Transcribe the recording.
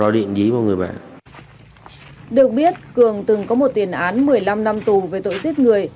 được biết cường từng có một tiền án một mươi năm năm tù về tội giết người